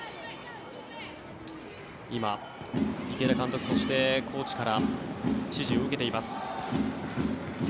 今、池田監督、そしてコーチから指示を受けています。